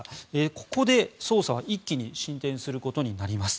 ここで捜査は一気に進展することになります。